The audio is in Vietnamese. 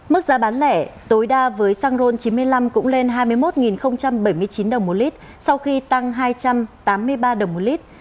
mức giá bán lẻ tối đa với xăng ron chín mươi năm cũng lên hai mươi một bảy mươi chín đồng một lít sau khi tăng hai trăm tám mươi ba đồng một lít